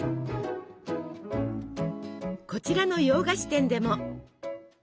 こちらの洋菓子店でも。